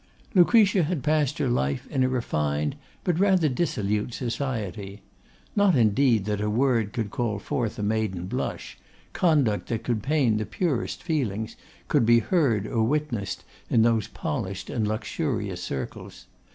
Lucretia had passed her life in a refined, but rather dissolute society. Not indeed that a word that could call forth a maiden blush, conduct that could pain the purest feelings, could be heard or witnessed in those polished and luxurious circles.